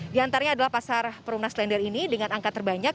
di antaranya adalah pasar perumnas lender ini dengan angka terbanyak